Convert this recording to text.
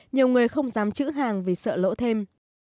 nhiều người không dám chữ hàng vì sợ lỗ thêm